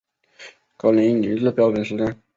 格林尼治标准时间